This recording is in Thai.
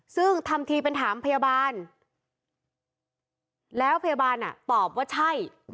ซึ่งทำทีเป็นถามพยาบาลแล้วพยาบาลตอบว่าใช่